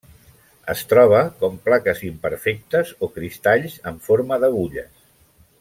Es troba com plaques imperfectes o cristalls en forma d'agulles.